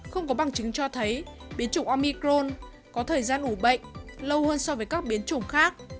không có bằng chứng cho thấy biến chủng omicrone có thời gian ủ bệnh lâu hơn so với các biến chủng khác